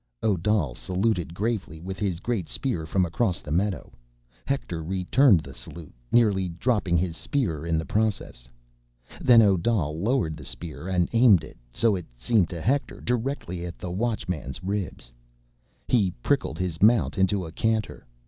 Odal saluted gravely with his great spear from across the meadow. Hector returned the salute, nearly dropping his spear in the process. Then, Odal lowered his spear and aimed it—so it seemed to Hector—directly at the Watchman's ribs. He pricked his mount into a canter.